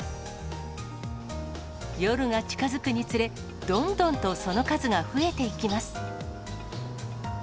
夜が近づくにつれて、どんどんと、その数が増えていきます。